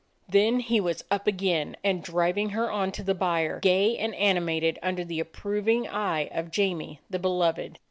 Then he was up again, and driving her on to the byre, gay and animated under the approv ing eye of Jamie the beloved.